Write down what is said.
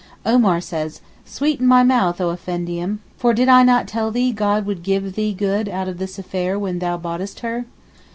Omar says, 'Sweeten my mouth, oh Effendim, for did I not tell thee God would give thee good out of this affair when thou boughtest her?